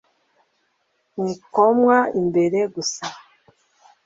ntikomwa imbere gusa